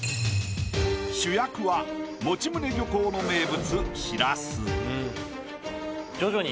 主役は用宗漁港の名物しらす。